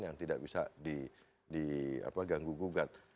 yang tidak bisa diganggu gugat